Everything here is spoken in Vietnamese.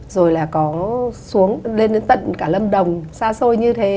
rồi là có xuống lên đến tận cả lâm đồng xa xôi như thế